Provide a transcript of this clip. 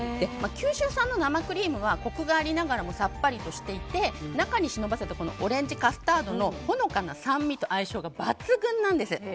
九州産の生クリームはコクがありながらもさっぱりとしていて中に忍ばせたオレンジカスタードのほのかな酸味と相性が抜群なんです。